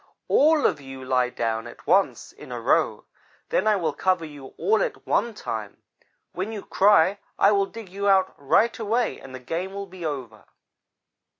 All of you lie down at once in a row. Then I will cover you all at one time. When you cry I will dig you out right away and the game will be over.'